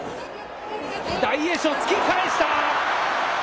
大栄翔、突き返した。